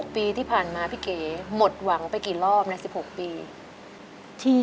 ปีที่ผ่านมาพี่เก๋หมดหวังไปกี่รอบใน๑๖ปี